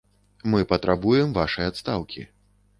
Мы патрабуем вашай адстаўкі.